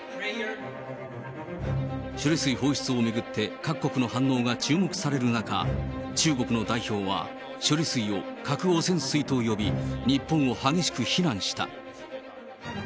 処理水放出を巡って、各国の反応が注目される中、中国の代表は処理水を核汚染水と呼び、日本を激しく非難した。